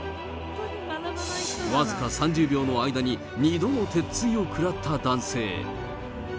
僅か３０秒の間に２度の鉄槌を食らった男性。